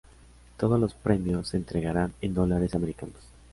Todos los Premios se entregarán en Dólares Americanos.